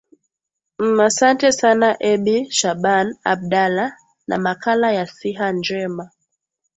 m asante sana ebi shaban abdala na makala ya siha njema